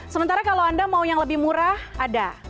sementara kalau anda mau yang lebih murah ada